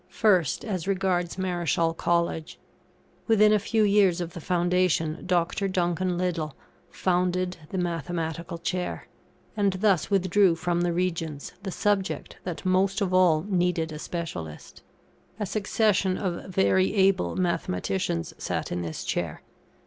First, as regards Marischal College. Within a few years of the foundation, Dr. Duncan Liddell founded the Mathematical Chair, and thus withdrew from the Regents the subject that most of all needed a specialist; a succession of very able mathematicians sat in this chair.